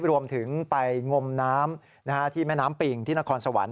รวมถึงไปงมน้ำที่แม่น้ำปิงที่นครสวรรค